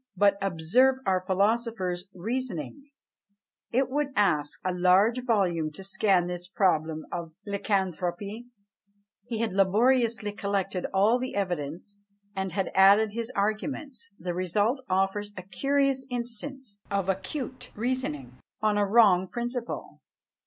But observe our philosopher's reasoning: "It would aske a large volume to scan this problem of lycanthropy." He had laboriously collected all the evidence, and had added his arguments: the result offers a curious instance of acute reasoning on a wrong principle.